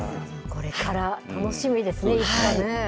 これから楽しみですね、いつかね。